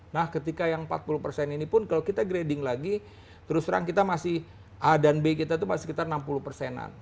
nah ketika yang empat puluh persen ini pun kalau kita grading lagi terus terang kita masih a dan b kita itu masih sekitar enam puluh persenan